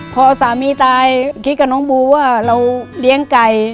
พอสามีตายคิดกับน้องบูว่าเราเลี้ยงไก่